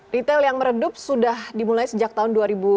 retail yang meredup sudah dimulai sejak tahun dua ribu dua